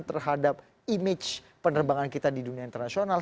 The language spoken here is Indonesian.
terhadap image penerbangan kita di dunia internasional